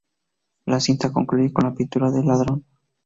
La cinta concluye con la captura del ladrón.